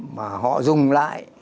mà họ dùng lại